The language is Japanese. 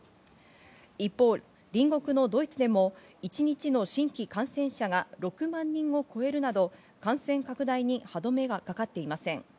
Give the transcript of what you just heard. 一方、隣国のドイツでも一日の新規感染者が６万人を超えるなど感染拡大に歯止めがかかっていません。